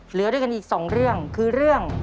เหลือด้วยกันอีกสองเรื่องคือเรื่อง